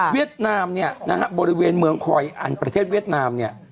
ดนามเนี่ยนะฮะบริเวณเมืองคอยอันประเทศเวียดนามเนี่ย